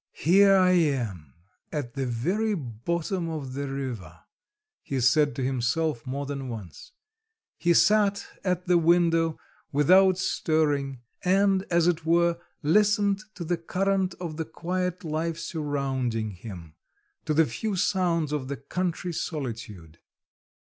"Here I am at the very bottom of the river," he said to himself more than once. He sat at the window without stirring, and, as it were, listened to the current of the quiet life surrounding him, to the few sounds of the country solitude.